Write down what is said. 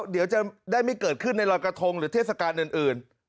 เดี๋ยวจะได้ไม่เกิดขึ้นในรอยกระทงหรือเทศกาลอื่น